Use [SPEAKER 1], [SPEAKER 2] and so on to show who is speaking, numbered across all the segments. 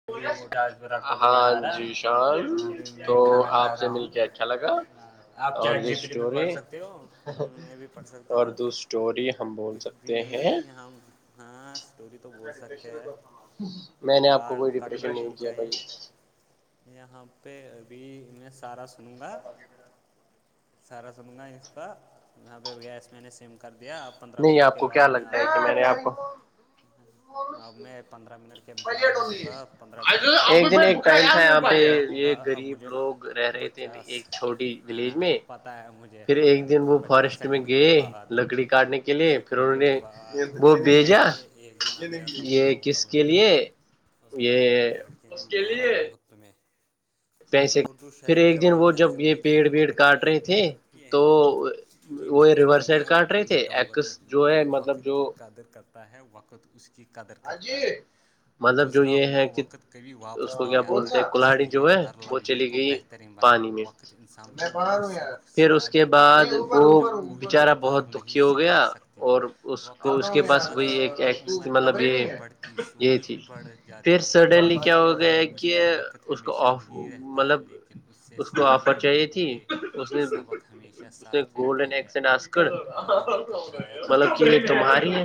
[SPEAKER 1] [inaudible] آپ chat G P T پہ پڑھ سکتے ہو میں بھی پڑھ سکتا ہوں کچھ جی نہیں ہم ہاں اسٹوری تو بول سکتے ہیں کال کٹنی نہیں چاہیے یہاں پہ ابھی میں سارا سنوں گا سارا سنوں گا اس کا وہاں پہ گیس میں نے سم کر دیا آپ
[SPEAKER 2] نہیں آپ کو کیا لگتا ہے کہ میں نے آپ کو
[SPEAKER 1] اب میں پندرہ منٹ کے بعد آؤں گا
[SPEAKER 2] ایک دن ایک ٹائم تھا یہاں پہ یہ غریب لوگ رہ رہے تھے ایک چھوٹی ولیج میں پھر ایک دن وہ فارسٹ میں گئے لکڑی کاٹنے کے کے لیے پھر انہوں نے وہ بھیجا
[SPEAKER 1] ایک دن آ گیا تھا وہ گاؤں کا لڑکا گاؤں کے لڑکے نے مارا بہت تمہیں
[SPEAKER 2] پیسے پھر ایک دن وہ جب یہ پیڑ ویڑ کاٹ رہے تھے تو
[SPEAKER 1] قیمتی اس دنیا میں کوئی دولت نہیں جو وقت کی قدر کرتا ہے وقت اس کی قدر کرتا ہے
[SPEAKER 2] مطلب جو یہ
[SPEAKER 1] ہوا وقت کبھی واپس نہیں آتا ہے اس لیے ہر لمحے کو بہترین بناؤ وقت انسان کو وہ سبق سکھا دیتا ہے جو کوئی کتاب نہیں سکھا سکتی وقت کے ساتھ صرف عمر نہیں بڑھتی سونچ بھی بڑھ جاتی
[SPEAKER 2] سڈنلی کیا ہو گیا کہ اس کو آف
[SPEAKER 1] ہی رہتا لیکن اس سے سیکھے ہوئے سبق ہمیشہ ساتھ
[SPEAKER 2] گولڈن ایکسڈ آسک مطلب کہ یہ تمہاری ہے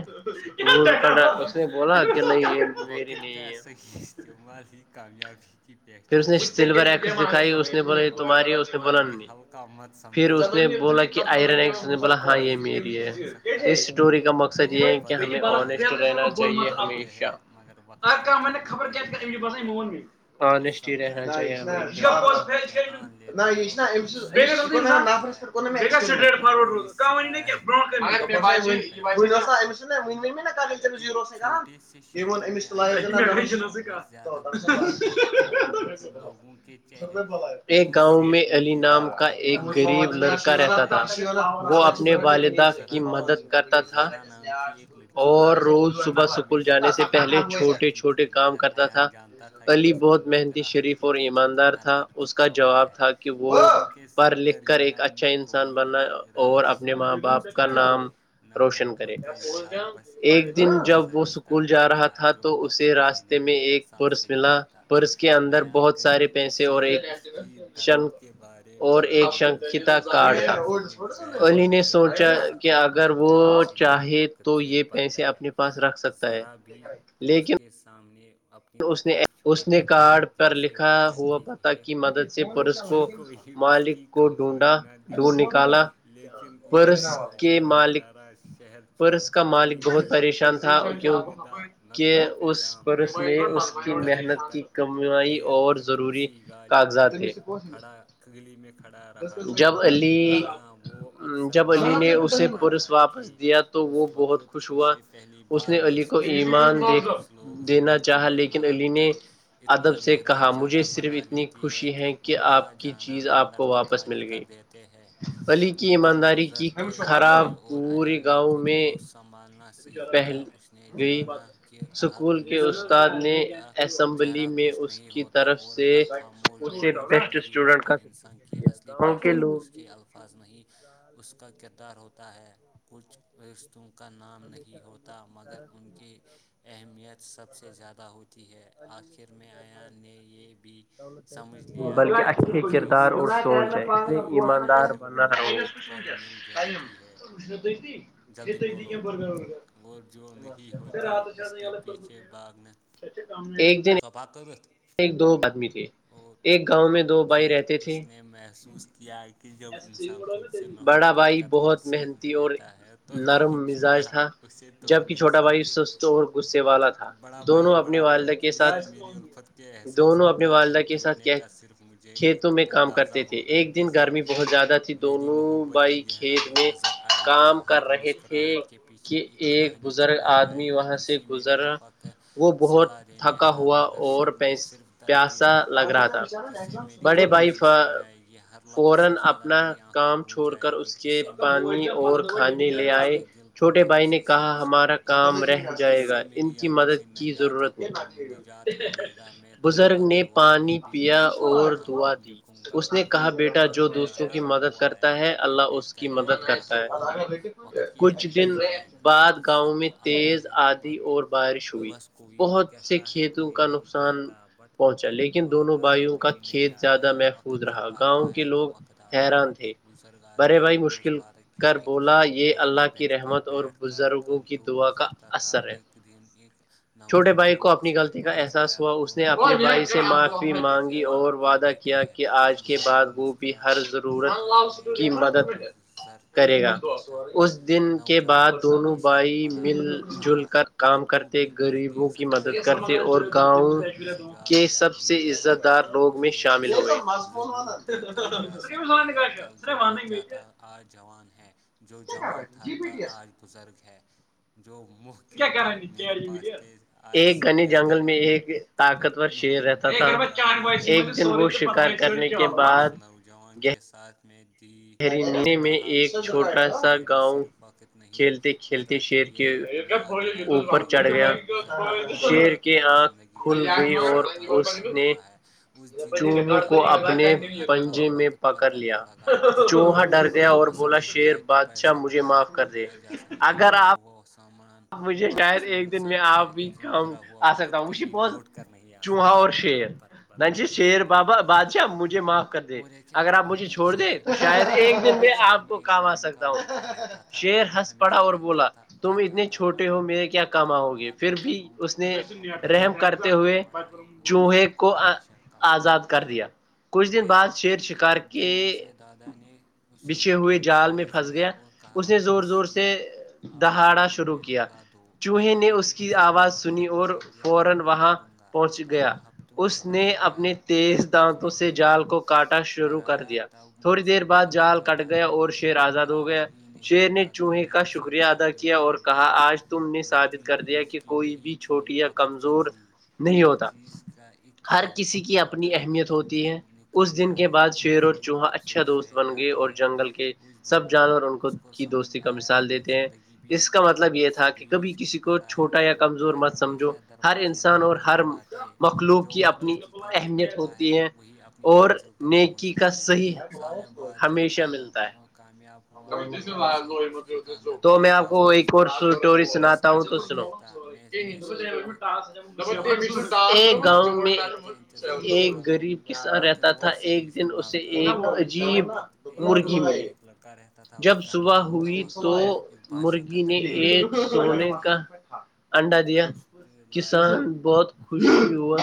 [SPEAKER 2] اس نے بولا کہ نہیں یہ میری نہیں ہے
[SPEAKER 1] [inaudible]
[SPEAKER 2] پھر اس نے سلور ایکس دکھائی اس نے بولا یہ تمہاری ہے اس نے بولا نہیں
[SPEAKER 1] [inaudible]
[SPEAKER 2] پھر اس نے بولا کہ آئرن ایکس اس نے بولا ہاں یہ میری ہے اس اسٹوری کا مقصد
[SPEAKER 1] لوگ بدلتے ہے حالات بدلتے ہے مگر وقت کا
[SPEAKER 2] میں نے خبر کیا کرم بسا میں وون اونیسٹ ہی رہنا چاہیے ہمیشہ [inaudible] ا ام س نا کر یہ وونم
[SPEAKER 1] نہیں تھا لیکن لوگوں کے چہروں سے ان کی
[SPEAKER 2] نام کا ایک غریب لڑکا رہتا تھا وہ اپنے والدہ کی مدد کرتا تھا اور روز صبح اسکول جانے سے پہلے چھوٹے چھوٹے کام کرتا تھا علی بہت محنتی شریف اور ایماندار تھا اس کا جواب تھا کہ وہ پڑھ لکھ کر ایک اچھا انسان بننا اور اپنے ماں باپ کا نام روشن کرے ایک دن جب وہ اسکول جا رہا تھا تو اسے راستے میں ایک پرس ملا پرس کے اندر بہت سارے پیسے اور ایک شن
[SPEAKER 1] میں نہیں
[SPEAKER 2] کتا کاٹتا انہوں نے سوچا کہ اگر وہ چاہے تو یہ پیسے اپنے پاس رکھ سکتا ہے لیکن
[SPEAKER 1] کے سامنے اپنے
[SPEAKER 2] اس نے کارڈ پر لکھا ہوا پتا کی مدد سے پرس کو مالک کو ڈونڈ
[SPEAKER 1] نہ دیکھیں لیکن ایک دن اچانک سارا شہر
[SPEAKER 2] پرس کا مالک بہت پریشان تھا کیونکہ اس پرس میں اس کی محنت کی کمیائی اور ضروری کاغذات ہیں
[SPEAKER 1] گلی میں کھڑا رہا
[SPEAKER 2] جب علی جب علی نے اسے پرس واپس دیا تو وہ بہت خوش ہوا اس نے علی کو ایمان دینا
[SPEAKER 1] زندگی میں آ کر اتنا گہرا جگہ بنا لیتی ہے
[SPEAKER 2] خوشی ہے کہ آپ کی چیز آپ کو واپس ملے
[SPEAKER 1] کر دیتے ہیں دن گزرتے گئے اور ایان نے خود کو سنبھالنا سیکھ لیا اس نے جانا کہ ہر مسکراتا چہرہ خوش نہیں ہوتا اور ہر خاموش بہ وجہ نہیں ہوتا انسان کی اصلی یہ پہچان اس کے الفاظ نہیں اس کا کردار ہوتا ہے کچھ رشتوں کا نام نہیں ہوتا مگر ان کی اہمیت سب سے زیادہ ہوتی ہے آخر میں ایان نے یہ بھی سمجھ لیا کہ جو چیز نصیب
[SPEAKER 2] [inaudible]
[SPEAKER 1] جلدی بولو اور جو نہیں ہوتی اس کے پیچھے بھاگنا
[SPEAKER 2] ایک دن
[SPEAKER 1] [inaudible]
[SPEAKER 2] ایک دو ادمی تھے
[SPEAKER 1] اور پھر اس نے محسوس کیا ہے کہ جب انسان خود سے محبت کرنے سے
[SPEAKER 2] اور نرم مزاج تھا جبک چھوٹا بھائی سست اور غصے والا تھا
[SPEAKER 1] بڑا بھائی بڑا بھائی جس سے میری الفت احساس ہوگا دل ٹوٹنے کا صرف مجھے ایک اندازہ ہوگا کسی میری محبت کی گہرائی نظر آئے گی کہ ہر مسکراہٹ کے پیچھے ایک کہانی چھپا جائے گی کسی میرے وف وفا کا صلاہ دینا تھا مگر
[SPEAKER 2] اور پیاسا لگ رہا تھا بڑے بھائی فورن اپنا کام چھوڑ کر اس کے پانی اور کھانے لے آئے چھوٹے بھائی نے کہا ہمارا کام رہ جائے گا ان کی مدد کی ضرورت [inaudible] بزرگ نے پانی پیا اور دعا دی اس نے کہا بیٹا جو دوسروں کی مدد کرتا ہے اللہ اس کی مدد کرتا ہے کچھ دن بعد گاؤں میں تیز آندھی اور بارش ہوئی بہت سے کھیتوں کا
[SPEAKER 1] کہتا بٹ کبھی تو آتا ہے کبھی نہیں آتا ہے وقت جب آتا ہے تو وقت آتا ہے ایک بزرگ آدمی ہر روز پارک کی ایک پرانی بینچ پر بیٹھ کر گھنٹوں گزرتا تھا ایک دن ایک
[SPEAKER 2] چھوٹے بھائی کو اپنی غلطی کا احساس ہوا اس نے اپنے بھائی سے معافی مانگی اور وعدہ کیا کہ آج کے بعد وہ
[SPEAKER 1] کرا کر بولتا ہے میں وقت کو گزر
[SPEAKER 2] کرے گا اس دن کے بعد دونوں بھائی مل جل کر کام کرتے غریبوں کی مدد کرتے اور گاؤں کے سب سے عزت دار لوگ میں شامل ہوگئے
[SPEAKER 1] دیکھا جا سکتے ہے کل جو بچا تھا آج جوان ہے جو جوان تھا کا آج بزرگ ہے جو مخت
[SPEAKER 2] ایک گھنے جنگل میں ایک طاقتور شیر رہتا تھا ایک دن وہ شکار کرنے کے بعد
[SPEAKER 1] جوان کے ساتھ میں دی اور کہا یہ گڑی صرف وقت نہیں بتاتی یہ یاد دلاتی ہے کہ ہر گزرتا ہوا لمحہ تمہاری زندگی کا حصہ کام کر رہا ہے اس دن کے بعد وہ نوجوان ہر کام وقت پر کرنے لگا [unintelligible] اس نے سمجھ لیا کہ پیسہ دوبارہ کمایا جا سکتے ہے کھوئے ہوا سامان
[SPEAKER 2] مجھے شاید ایک دن میں آپ بھی کام آ سکتا ہوں بہت چوہا اور شیر شیر بابا بادشاہ مجھے معاف کر دے اگر آپ مجھے چھوڑ دیں تو شاید ایک دن میں آپ کو کام آ سکتا ہوں
[SPEAKER 1] تھا وہ ہمیشہ رہتا تھا کہتا تھا
[SPEAKER 2] چوٹے ہو میرے کیا کام آؤ گے پھر بھی اس نے رحم کرتے ہوئے چوہے کو آزاد کر دیا کچھ دن بعد شیر شکار کے بچھے ہوئے جال میں پھنس گیا اس نے زور زور سے دہاڑا شروع کیا کیا چوہے نے اس کی آواز سنی اور فورن
[SPEAKER 1] لگا دوں گا کل ہفتوں میں بدل گیا جب اس نے بے
[SPEAKER 2] جال کو کاٹا شروع کر دیا تھوڑی دیر بعد جال کٹ گیا اور شیر آزاد ہو گیا شیر نے چوہے کا شکریہ ادا کیا اور کہا آج تم نے سابت کر دیا کہ کوئی بھی چھوٹی یا کمزور
[SPEAKER 1] تھی ہر چیز کا ایک صحیح وقت ہوتا ہے اگر وہ نکل جائے تو صرف
[SPEAKER 2] اچھا دوست بن گئے اور جنگل کے سب جانور ان کو کی دوستی کا مثال دیتے ہیں اس کا مطلب یہ تھا کہ کبھی کسی کو چھوٹا یا کمزور مت سمجھو
[SPEAKER 1] دوازیں نہیں کھڑکھڑاتے جو وقت کی قدر کرتا ہے وہی اپنی منزل کو تک پہنچتا ہے سالوں بعد جب آرام کامیاب ہوا لوگ اس سے کی کامیابی کا
[SPEAKER 2] وہ ایک اور سٹوری سناتا ہوں تو سنو ایک گاؤں میں ایک غریب کسان رہتا تھا ایک
[SPEAKER 1] استعمال کرو وقت ایک گاؤں میں ایک لڑکا رہتا تھا اس کا نام تھا
[SPEAKER 2] تو مرغی نے ایک سونے کا انڈا دیا کسان بہت خوش ہوا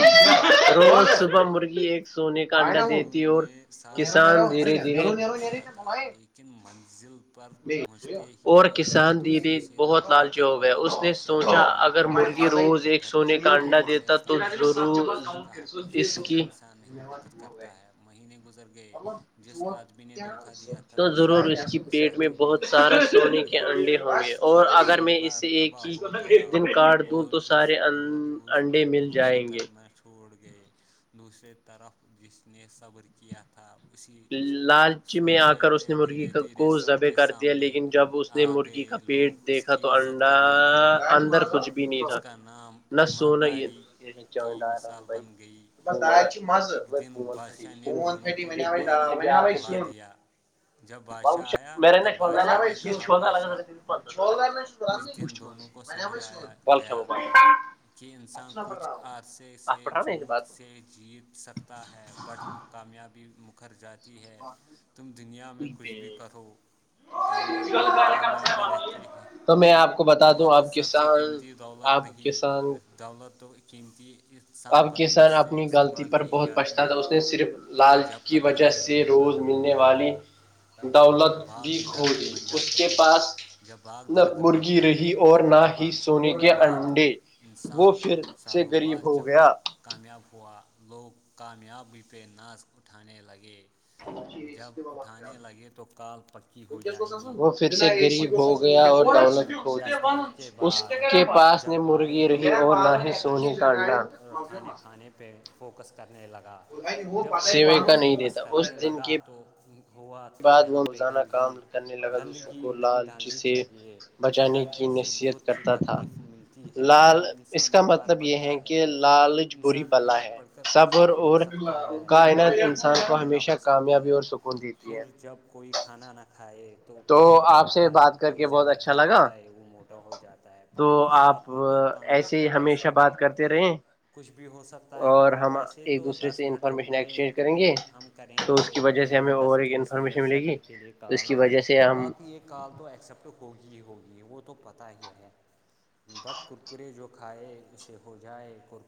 [SPEAKER 2] روز صبح مرغی ایک سونے
[SPEAKER 1] دونوں نے ساتھ مل کر سفر شروع کیا تھا لیکن منزل پر پہنچتے ہی ایک نے دوسرے سے دھوکا کر دیا بادشاہ نے دونوں کی بات
[SPEAKER 2] روز ایک سونے کا انڈا دیتا تو ضرور اس کی
[SPEAKER 1] کرتا ہے مہینے گزر گئے جس آدمی نے دھوکھا دیا تھا اسے اپنی ساتھی بھی اسے چھوڑ گئی اس کا کاروبار تباہ ہو گیا اور اور اس لوگ اس پر بھروسہ کرنا چوڑ چھوڑ گئے دوسرے طرف اس نے صبر کیا تھا
[SPEAKER 2] لالچ میں آ کر اس نے مرغی کو زبہ کر دیا لیکن جب اس
[SPEAKER 1] آ گئے لوگ اس کی عزت کرنے لگے اور اس کا نام
[SPEAKER 2] نہ سونا یہ چاند آ‌ رہا ہے بھائی تارج مزون پھٹ
[SPEAKER 1] بلا دیا جب بادشاہ آیا تب بادشاہ نے کہا بادشاہ
[SPEAKER 2] [unintelligible] میں س
[SPEAKER 1] کہ انسان کچھ عرسے سے جھوٹ سے جیت سکتا ہے بٹ کامیابی مکھر جاتی ہے تم دنیا میں کچھ بھی کرو کامیابی رہتی ہے
[SPEAKER 2] تو میں آپ کو بتا دوں آپ کسان آپ کسان
[SPEAKER 1] دولت تو ایک قیمتی
[SPEAKER 2] اب کے سر اپنی غلطی پر بہت پچھتا تھا اس نے صرف لالچ کی وجہ سے روز ملنے والی دولت بھی کھو دی اس کے پاس نہ مرغی رہی اور نہ ہی سونے کے انڈے وہ پھر سے غریب
[SPEAKER 1] جب کامیاب ہوا لوگ کامیابی پہ ناز اٹھانے لگے جب اٹھانے لگے تو کال پکی ہو جائے گی اب پکی ہونے پر پ دس منٹ کے بعد جب آئے تو میں رائس اور کھانے کھانے پہ فوکس کرنے لگا جب کھانے پر فوکس کرنے لگا تو ہوا تھا یہاں پہ گندگی گندگی نہیں ڈالنی چاہیے یہ گندگی سے بہت سی تکلیف ملتی ہے انسان بیمار پڑتا ہے
[SPEAKER 2] کہ لالچ بری بلا ہے صبر اور کائنات انسان کو ہمیشہ
[SPEAKER 1] ہو سکتا ہے پھر جب کوئی کھانا نہ کھائے
[SPEAKER 2] تو اپ سے بات کر کے
[SPEAKER 1] زیادہ کھانا کھائے وہ موٹا ہو جاتا ہے پانی صاف ہو تو پانی کیا کر سکتا ہے
[SPEAKER 2] [unintelligible]
[SPEAKER 1] کچھ بھی ہو سکتا ہے ویسے تو دس منٹ ہو گئے پھر بھی ہم کریں گے ابھی دو دس تیس منٹ سیکنڈ کے لیے کال باقی یہ کال تو ایکسیپٹ ہوگی ہی ہوگی وہ تو پتہ ہی ہے بٹ کرکرے جو کھائے اسے ہو جائے کرکرے